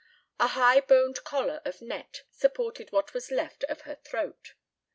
A high boned collar of net supported what was left of her throat.